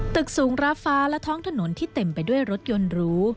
ตึกสูงรับฟ้าและท้องถนนที่เต็มไปด้วยรถยนต์หรู